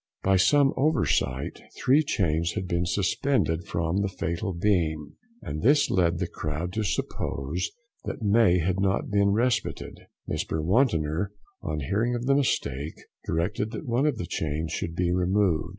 By some oversight three chains had been suspended from the fatal beam, and this led the crowd to suppose that May had not been respited. Mr. Wontnor, on hearing of the mistake, directed that one of the chains should be removed.